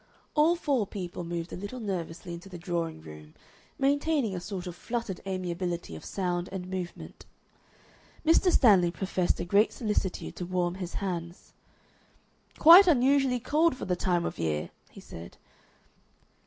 All four people moved a little nervously into the drawing room, maintaining a sort of fluttered amiability of sound and movement. Mr. Stanley professed a great solicitude to warm his hands. "Quite unusually cold for the time of year," he said.